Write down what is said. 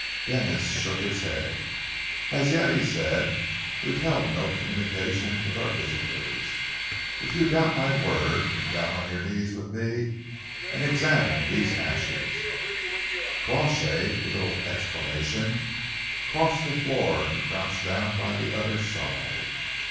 Denis shook his head. "As yet," he said, "we have held no communication with our visitors. If you doubt my word, come down on your knees with me and examine these ashes." Crawshay, with a little exclamation, crossed the floor and crouched down by the other's side.